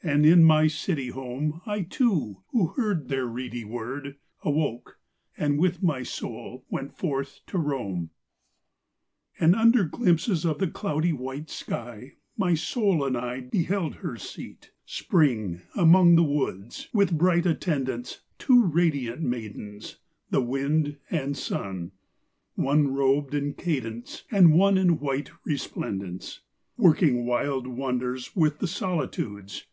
And in my city home I, too, who heard Their reedy word, Awoke, and, with my soul, went forth to roam. II And under glimpses of the cloud white sky My soul and I Beheld her seated, Spring among the woods With bright attendants, Two radiant maidens, The Wind and Sun: one robed in cadence, And one in white resplendence, Working wild wonders with the solitudes.